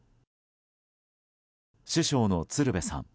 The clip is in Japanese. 師匠の鶴瓶さん